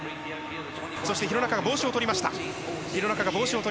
廣中が帽子を取りました。